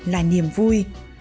là niềm vui